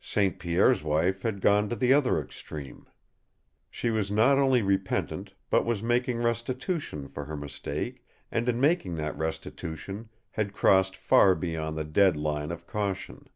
St. Pierre's wife had gone to the other extreme. She was not only repentant, but was making restitution, for her mistake, and in making that restitution had crossed far beyond the dead line of caution.